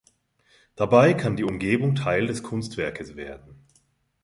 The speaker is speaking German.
Dabei kann die Umgebung Teil des Kunstwerkes werden.